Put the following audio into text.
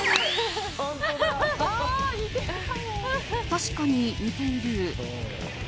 確かに似ている。